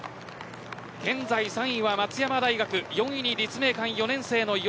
現在３位は松山大学４位に立命館４年生の吉薗。